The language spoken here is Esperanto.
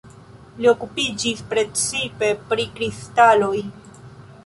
Li okupiĝis precipe pri kristaloj.